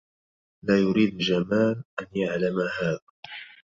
لا يريد جمال أن يعلم هذا.